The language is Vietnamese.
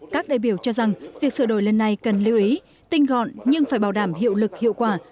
các đại biểu cho rằng việc sửa đổi lần này cần lưu ý tinh gọn nhưng phải bảo đảm hiệu lực hiệu quả